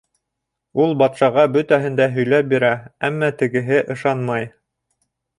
Ул батшаға бөтәһен дә һөйләп бирә, әммә тегеһе ышанмай.